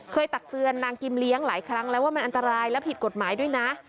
ตักเตือนนางกิมเลี้ยงหลายครั้งแล้วว่ามันอันตรายและผิดกฎหมายด้วยนะ